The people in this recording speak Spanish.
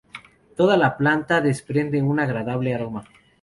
Toda la planta desprende un agradable aroma.